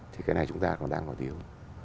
thì cái này chúng ta còn đang có điều